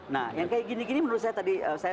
nah yang kayak gini gini menurut saya tadi